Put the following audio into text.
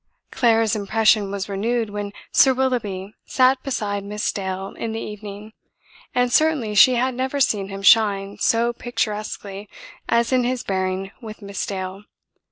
Clara's impression was renewed when Sir Willoughby sat beside Miss Dale in the evening; and certainly she had never seen him shine so picturesquely as in his bearing with Miss Dale.